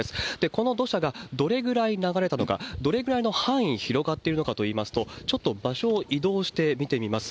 この土砂がどれぐらい流れたのか、どれぐらいの範囲広がっているのかといいますと、ちょっと場所を移動して見てみます。